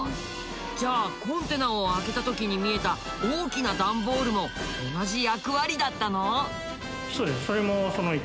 じゃあコンテナを開けた時に見えた大きな段ボールも同じ役割だったの？